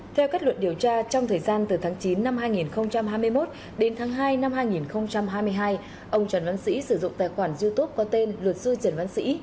theo kết luận điều tra trong thời gian từ tháng chín năm hai nghìn hai mươi một đến tháng hai năm hai nghìn hai mươi hai ông trần văn sĩ sử dụng tài khoản youtube có tên luật sư trần văn sĩ